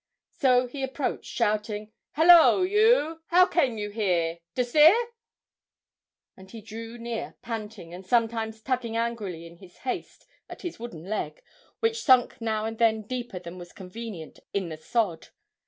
So he approached shouting 'Hollo! you how came you here? Dost 'eer?' And he drew near panting, and sometimes tugging angrily in his haste at his wooden leg, which sunk now and then deeper than was convenient in the sod.